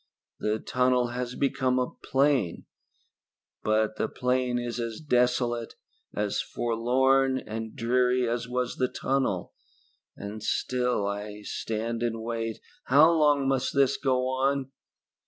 The tunnel has become a plain, but the plain is as desolate, as forlorn and dreary as was the tunnel, and still I stand and wait. How long must this go on?"